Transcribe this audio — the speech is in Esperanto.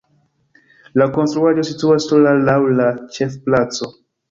La konstruaĵo situas sola laŭ la ĉefplaco.